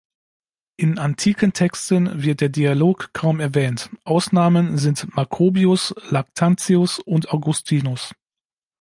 In antiken Texten wird der Dialog kaum erwähnt; Ausnahmen sind Macrobius, Lactantius und Augustinus.